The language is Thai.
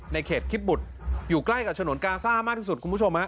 ในเขตคิปบุตรอยู่ใกล้กับฉนวนกาซ่ามากที่สุดคุณผู้ชมฮะ